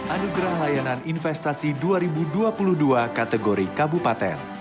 anugerah layanan investasi dua ribu dua puluh dua kategori kabupaten